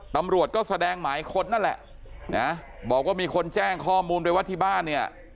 ตำรวจก็แสดงหมายค้นนั่นแหละนะบอกว่ามีคนแจ้งข้อมูลไปว่าที่บ้านเนี่ย